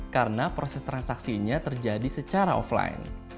karena proses transaksinya terjadi secara offline